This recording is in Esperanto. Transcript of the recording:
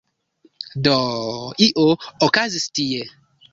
Do… io okazis tie.